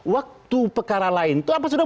waktu pekara lain itu apa sudah